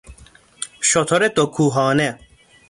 شتر دو کوهانه